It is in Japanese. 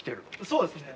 そうですね。